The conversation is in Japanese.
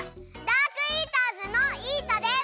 ダークイーターズのイータです！